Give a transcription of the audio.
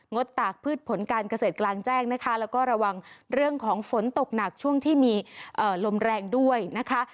ดตากพืชผลการเกษตรกลางแจ้งนะคะแล้วก็ระวังเรื่องของฝนตกหนักช่วงที่มีลมแรงด้วยนะคะ